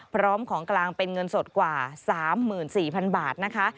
พร้อมของกลางเป็นเงินสดกว่า๓๔๐๐๐บาทนะคะ